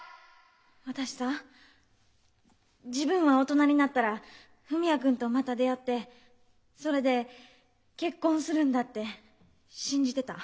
私さぁ自分は大人になったら文也君とまた出会ってそれで結婚するんだって信じてた。